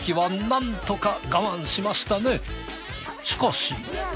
しかし。